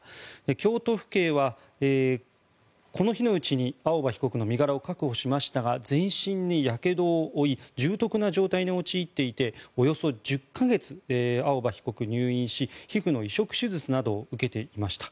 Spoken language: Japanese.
京都府警はこの日のうちに青葉被告の身柄を確保しましたが全身にやけどを負い重篤な状態に陥っていておよそ１０か月青葉被告は入院し皮膚の移植手術などを受けていました。